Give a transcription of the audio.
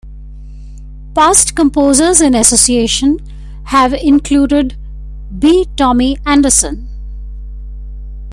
Past Composers-in-Association have included B Tommy Andersson.